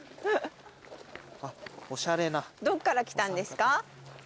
どっから来たんですか？